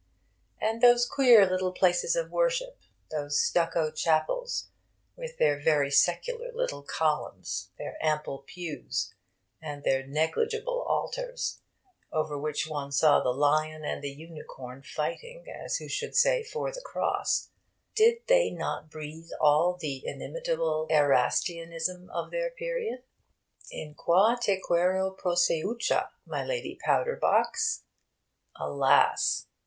And those queer little places of worship, those stucco chapels, with their very secular little columns, their ample pews, and their negligible altars over which one saw the Lion and the Unicorn fighting, as who should say, for the Cross did they not breathe all the inimitable Erastianism of their period? In qua te qaero proseucha, my Lady Powderbox? Alas!